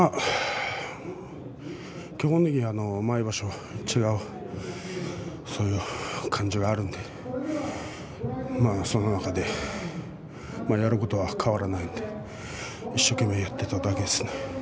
基本的に毎場所違う感じがあるのでその中でやることは変わらないので一生懸命やっていただけです。